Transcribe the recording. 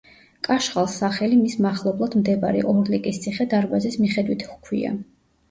კაშხალს სახელი მის მახლობლად მდებარე ორლიკის ციხე-დარბაზის მიხედვით ჰქვია.